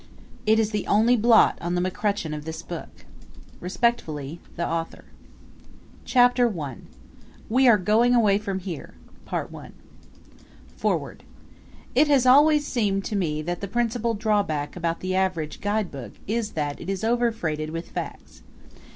It is the only blot on the McCutcheon of this book. Respectfully, The Author. Chapter I We Are Going Away From Here Foreword. It has always seemed to me that the principal drawback about the average guidebook is that it is over freighted with facts.